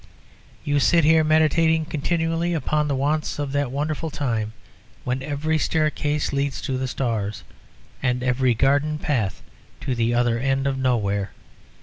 You sit here meditating continually upon the wants of that wonderful time when every staircase leads to the stars, and every garden path to the other end of nowhere.